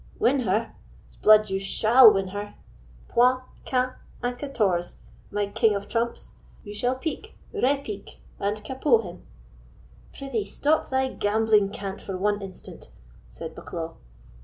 "Win her! 'sblood, you shall win her, point, quint, and quatorze, my king of trumps; you shall pique, repique, and capot him." "Prithee, stop thy gambling cant for one instant," said Bucklaw.